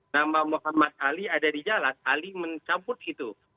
nama muhammad ali ada di jalan ali mencabut itu